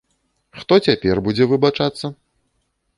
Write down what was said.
Хто цяпер будзе выбачацца?